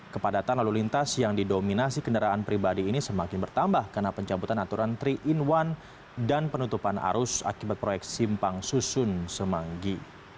kepadatan lalu lintas yang didominasi kendaraan pribadi ini semakin bertambah karena pencabutan aturan tiga in satu dan penutupan arus akibat proyek simpang susun semanggi